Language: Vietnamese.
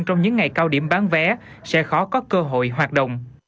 trong những ngày cao điểm bán vé sẽ khó có cơ hội hoạt động